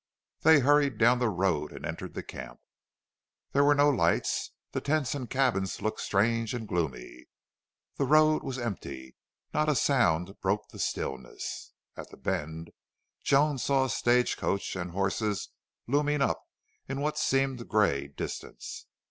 They hurried down the road and entered the camp. There were no lights. The tents and cabins looked strange and gloomy. The road was empty. Not a sound broke the stillness. At the bend Joan saw a stage coach and horses looming up in what seemed gray distance.